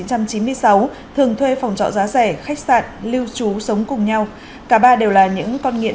năm một nghìn chín trăm chín mươi sáu thường thuê phòng trọ giá rẻ khách sạn lưu trú sống cùng nhau cả ba đều là những con nghiện